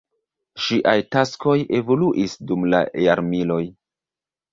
Ŝiaj taskoj evoluis dum la jarmiloj.